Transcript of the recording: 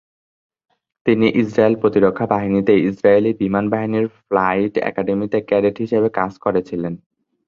তিনি ইসরায়েল প্রতিরক্ষা বাহিনীতে ইসরায়েলি বিমান বাহিনীর ফ্লাইট একাডেমিতে ক্যাডেট হিসেবে কাজ করেছিলেন।